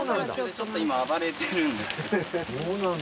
ちょっと今暴れてるんです。